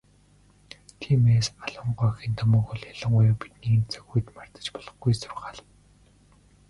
Тиймээс, Алан гоо эхийн домог бол ялангуяа бидний энэ цаг үед мартаж болохгүй сургаал.